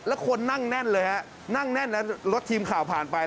แล้วคนนั่งแน่นเลยฮะนั่งแน่นแล้วรถทีมข่าวผ่านไป